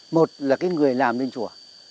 một là cái người làm lên chùa